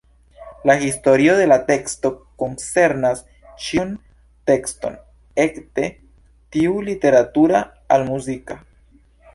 La historio de la teksto koncernas ĉiun tekston, ekde tiu literatura al muzika.